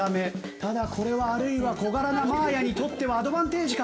ただこれはあるいは小柄なまあやにとってはアドバンテージか？